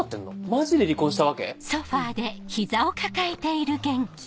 マジで離婚したわけ⁉うん。